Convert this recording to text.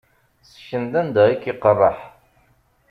Ssken-d anda i k-iqerreḥ.